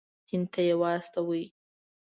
هند ته یې واستوي.